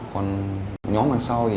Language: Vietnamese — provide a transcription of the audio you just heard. còn nhóm đằng sau